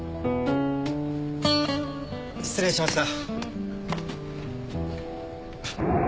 失礼しました。